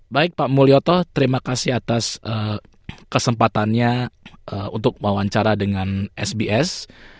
baik pak mulyoto terima kasih atas kesempatannya untuk wawancara dengan sbs